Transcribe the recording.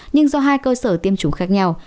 nhưng do hai cơ sở tiêm chủng khác nhau